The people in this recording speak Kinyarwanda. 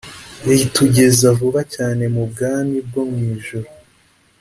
Ritugeza vuba cyane Mu bwamibwo mw ijuru.